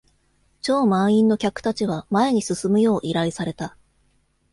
超満員の客たちは前に進むよう依頼された。